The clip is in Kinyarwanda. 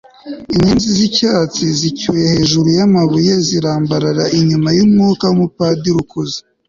Inyenzi zicyatsi kibisi zicyuye hejuru yamabuye zirambarara inyuma yumwuka wumupadiri ukuze